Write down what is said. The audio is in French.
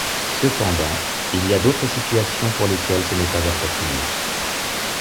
Cependant, il y a d'autres situations pour lesquelles ce n'est pas approprié.